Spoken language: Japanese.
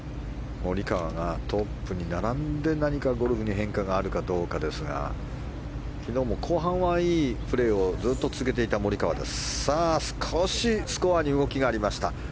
モリカワがトップに並んで何かゴルフに変化があるかどうかですが昨日も後半はいいプレーをずっと続けていたモリカワです。